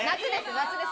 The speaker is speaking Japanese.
夏です。